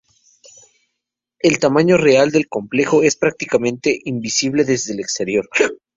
El tamaño real del complejo es prácticamente invisible desde el exterior.